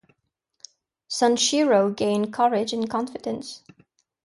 Sanshiro gained courage and confidence.